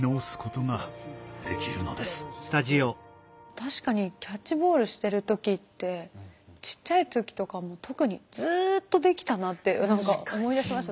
確かにキャッチボールしてる時ってちっちゃい時とかも特にずっとできたなって何か思い出しました。